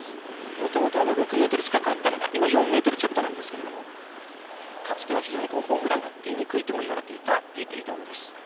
もともと６ｍ近くあったのが今は４ｍちょっとなんですがかつては非常にホームランが出にくいともいわれていたＰａｙＰａｙドームです。